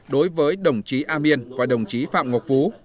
đối với đồng chí a miên và đồng chí phạm ngọc phú